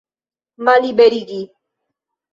Malliberigi!